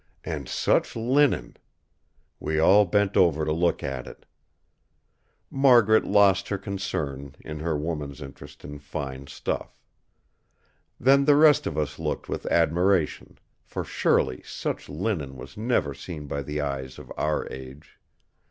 And such linen! We all bent over to look at it. Margaret lost her concern, in her woman's interest in fine stuff. Then the rest of us looked with admiration; for surely such linen was never seen by the eyes of our age.